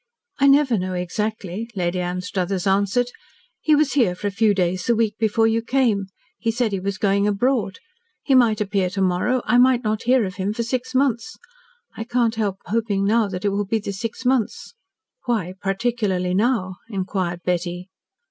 "I never know exactly," Lady Anstruthers answered. "He was here for a few days the week before you came. He said he was going abroad. He might appear to morrow, I might not hear of him for six months. I can't help hoping now that it will be the six months." "Why particularly now?" inquired Betty.